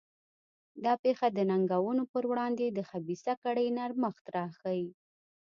دا پېښه د ننګونو پر وړاندې د خبیثه کړۍ نرمښت راښيي.